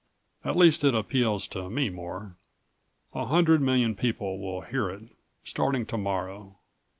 At least, it appeals to me more. A hundred million people will hear it, starting tomorrow.